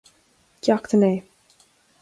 Ceacht a naoi